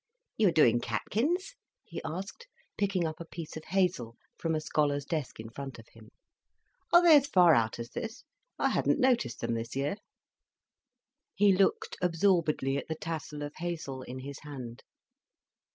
"You are doing catkins?" he asked, picking up a piece of hazel from a scholar's desk in front of him. "Are they as far out as this? I hadn't noticed them this year." He looked absorbedly at the tassel of hazel in his hand.